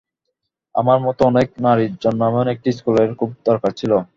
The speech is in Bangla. আমার মতো অনেক নারীর জন্য এমন একটি স্কুলের খুব দরকার ছিল।